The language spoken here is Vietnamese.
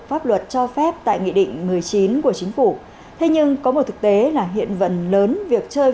pháp luật cho phép tại nghị định một mươi chín của chính phủ thế nhưng có một thực tế là hiện phần lớn việc chơi